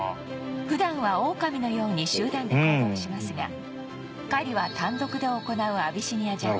普段はオオカミのように集団で行動しますが狩りは単独で行うアビシニアジャッカル